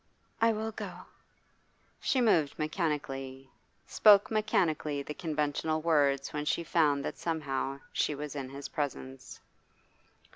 'I will go.' She moved mechanically, spoke mechanically the conventional words when she found that somehow she was in his presence.